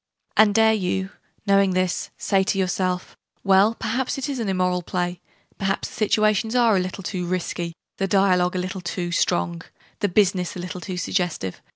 And dare you, knowing this, say to yourself "Well, perhaps it is an immoral play: perhaps the situations are a little too 'risky', the dialogue a little too strong, the 'business' a little too suggestive.